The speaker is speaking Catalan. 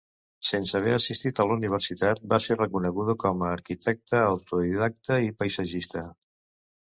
Sense haver assistit a la universitat va ser reconeguda com a arquitecta autodidacta i paisatgista.